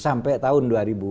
sampai tahun dua ribu dua puluh